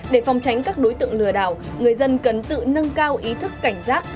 để phòng tránh các đối tượng lừa đảo người dân cần tự nâng cao ý thức cảnh giác